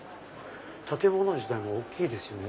建物自体も大きいですよね。